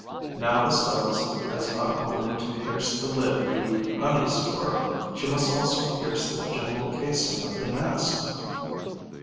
Now the Stelis has not only to pierce the lid of the honey store; she must also pierce the general casing of the nest.